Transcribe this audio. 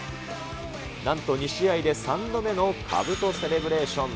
なんと２試合で３度目のかぶとセレブレーション。